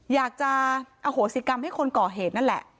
อยากจะอโหสิกรรมให้คนก่อเหตุนั่นแหละ